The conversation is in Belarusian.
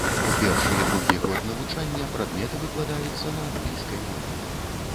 У першы і другі год навучання прадметы выкладаюцца на англійскай мове.